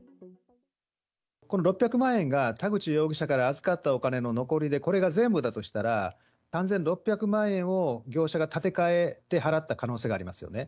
この６００万円が田口容疑者から預かったお金の残りで、これが全部だとしたら、３６００万円を業者が立て替えて払った可能性がありますよね。